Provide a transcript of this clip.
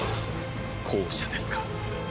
後者ですか。